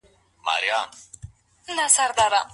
ټولنه په راتلونکي کي څنګه بدمرغه کيږي؟